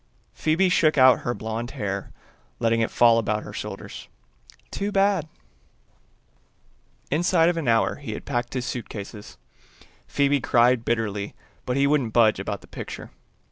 Phoebe shook out her blonde hair, letting it fall about her shoulders. "Too bad." Inside of an hour he had packed his suitcases. Phoebe cried bitterly, but wouldn't budge about the picture.